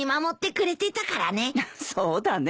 そうだねえ。